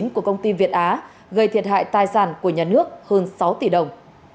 của công ty việt á gây thiệt hại tài sản của nhà nước hơn sáu tỷ đồng